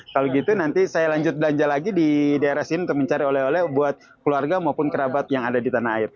kalau gitu nanti saya lanjut belanja lagi di daerah sini untuk mencari oleh oleh buat keluarga maupun kerabat yang ada di tanah air